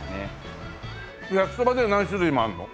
焼きそばで何種類もあるの？